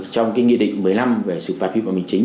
trong cái nghị định một mươi năm về sự phạt vi phạm hành chính